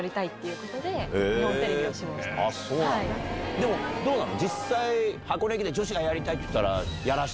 でもどうなの？